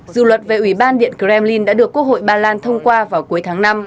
dự luật về ủy ban điện kremlin đã được quốc hội ba lan thông qua vào cuối tháng năm